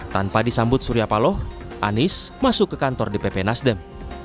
tanpa disambut surya paloh anies masuk ke kantor dpp nasdem